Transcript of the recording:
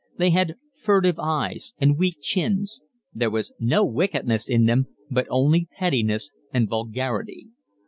They had furtive eyes and weak chins. There was no wickedness in them, but only pettiness and vulgarity.